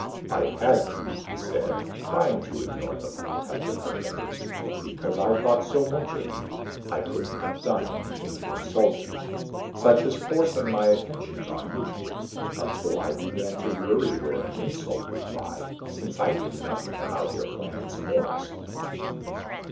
"I had to," he said, trying to ignore the light touch of her fingers. "Because I thought so much of you, I couldn't have done anything to insult you. Such as forcing my attentions on you. Until I began to worry where the insult would lie, since I knew nothing about your planet's mores."